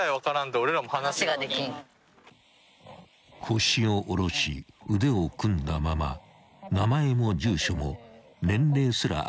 ［腰を下ろし腕を組んだまま名前も住所も年齢すら明かそうとしない］